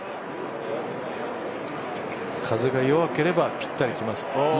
風が弱ければぴったりきます。